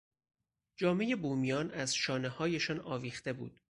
جامهی بومیان از شانههایشان آویخته بود.